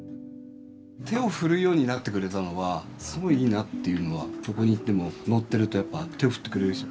手を振るようになってくれたのはすごいいいなっていうのはどこに行っても乗ってるとやっぱ手を振ってくれるんですよ。